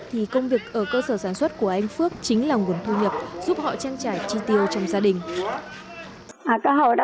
thì công việc ở cơ sở sản xuất của anh phước chính là nguồn thu nhập giúp họ trang trải chi tiêu trong gia đình